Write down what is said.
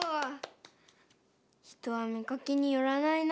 人は見かけによらないな。